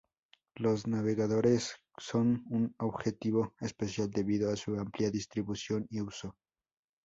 Los navegadores son un objetivo especial debido a su amplia distribución y uso.